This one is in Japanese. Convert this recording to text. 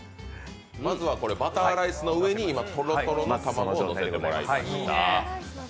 まずはバターライスの上にとろとろの卵をのせてもらいました。